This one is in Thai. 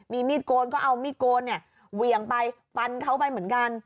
มีมีดโกนก็เอามีดโกนเนี่ยเหวี่ยงไปฟันเขาไปเหมือนกัน